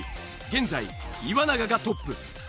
現在岩永がトップ。